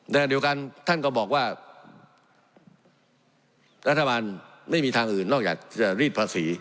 ขณะเดียวกันท่านก็บอกว่ารัฐบาลไม่มีทางอื่นนอกจากจะรีดภาษี